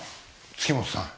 月本さん。